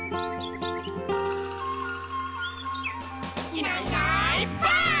「いないいないばあっ！」